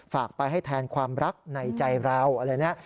ฝากไปให้แทนความรักในใจเราอะไรเนี่ย